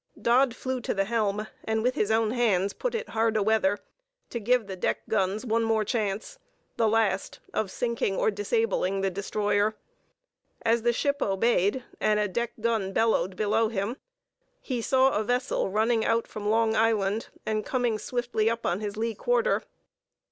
Dodd flew to the helm, and with his own hands put it hard a weather, to give the deck guns one more chance, the last, of sinking or disabling the Destroyer. As the ship obeyed, and a deck gun bellowed below him, he saw a vessel running out from Long Island, and coming swiftly up on his lee quarter.